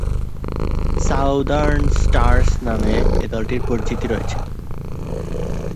Southern Stars ডাকনামে এ দলটির পরিচিতি রয়েছে।